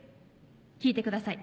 聴いてください。